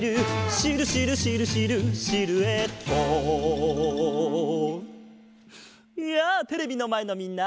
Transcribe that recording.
「シルシルシルシルシルエット」やあテレビのまえのみんな！